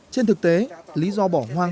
trên thực tế lý do bỏ hoang